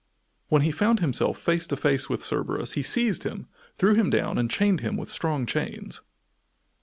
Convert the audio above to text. When he found himself face to face with Cerberus he seized him, threw him down and chained him with strong chains.